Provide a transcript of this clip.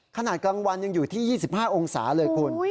ขนาดกลางวันยังอยู่ที่๒๕องศาเลยคุณ